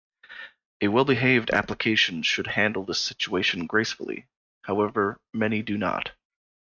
A well-behaved application should handle this situation gracefully; however, many do not.